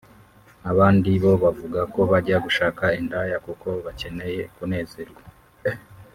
Abandi bo bavuga ko bajya gushaka indaya kuko bakeneye kunezerwa